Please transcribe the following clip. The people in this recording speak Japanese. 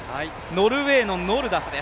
ノルウェーのノルダス。